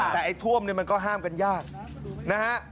แต่ไอ้ท่วมเนี่ยมันก็ห้ามกันยากนะฮะ